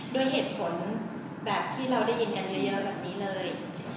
ด้วยเหตุผลแบบที่เราได้ยินกันเยอะแบบนี้เลย